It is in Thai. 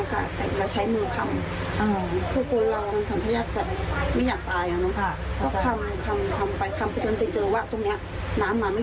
เพราะถ้าจมลงไปมากกว่านี้